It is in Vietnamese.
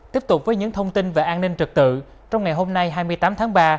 tiếp tục với những thông tin về an ninh trật tự trong ngày hôm nay hai mươi tám tháng ba